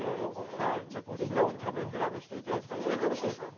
こちらを食べ比べしていただきたいなと思います。